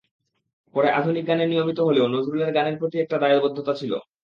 পরে আধুনিক গানে নিয়মিত হলেও নজরুলের গানের প্রতি একটা দায়বদ্ধতা ছিল।